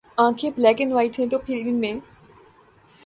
آنکھیں ’ black and white ‘ ہیں تو پھر ان میں